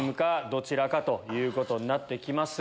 どちらかということになってきます。